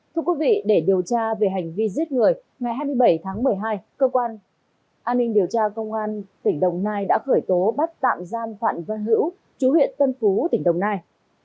thưa quý vị để điều tra về hành vi giết người ngày hai mươi bảy tháng một mươi hai cơ quan an ninh điều tra công an tỉnh đồng nai đã khởi tố bắt tạm giam phạm văn hữu chú huyện tân phú tỉnh đồng nai